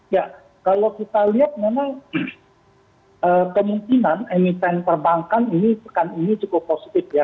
ya kalau kita lihat memang kemungkinan emiten perbankan ini pekan ini cukup positif ya